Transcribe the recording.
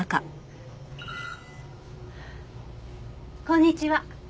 こんにちは。